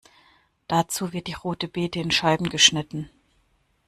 Dazu wird die Rote Bete in Scheiben geschnitten.